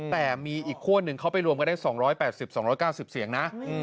แต่มีอีกขั้วหนึ่งเขาไปรวมกันได้๒๘๐๒๙๐เสียงนะ